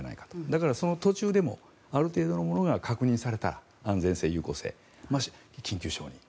だから、その途中でもある程度のものが確認されたら安全性、有効性これは緊急承認。